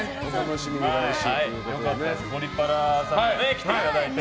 「ゴリパラ」さんも来ていただいて。